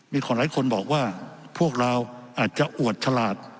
หลายคนบอกว่าพวกเราอาจจะอวดฉลาด